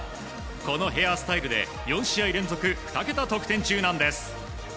このヘアスタイルで４試合連続２桁得点中なんです。